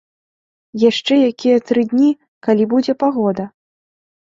Яшчэ якія тры дні, калі будзе пагода.